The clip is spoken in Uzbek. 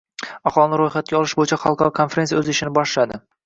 Aholini ro‘yxatga olish bo‘yicha xalqaro konferensiya o‘z ishini boshladi